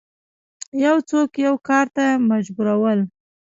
یو څوک یو کار ته مجبورول